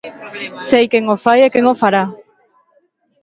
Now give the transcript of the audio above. Sei quen o fai e quen o fará.